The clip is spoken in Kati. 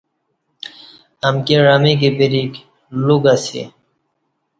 امکی عـمیک پریک لوکہ اسی